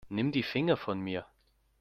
Nimm die Finger von mir.